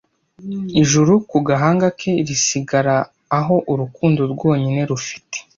ijuru ku gahanga ke risigara aho urukundo rwonyine rufite